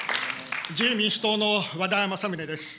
自由民主党の和田政宗です。